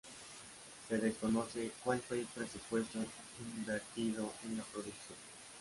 Se desconoce cual fue el presupuesto invertido en la producción.